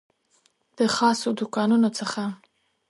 د خاصو دوکانونو څخه